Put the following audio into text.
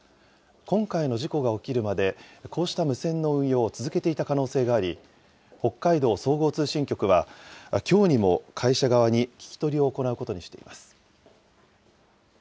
今回の事故が起きるまで、こうした無線の運用を続けていた可能性があり、北海道総合通信局は、きょうにも会社側に聞き取りを行うことにしています。